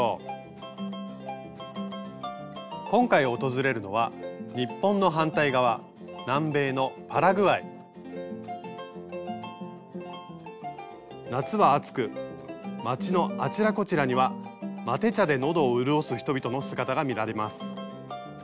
今回訪れるのは日本の反対側南米の夏は暑く街のあちらこちらにはマテ茶で喉を潤す人々の姿が見られます。